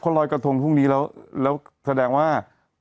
รอยกระทงพรุ่งนี้แล้วแล้วแสดงว่า